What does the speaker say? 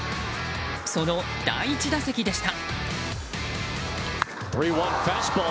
その第１打席でした。